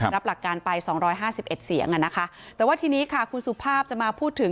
รับหลักการไปสองร้อยห้าสิบเอ็ดเสียงอ่ะนะคะแต่ว่าทีนี้ค่ะคุณสุภาพจะมาพูดถึง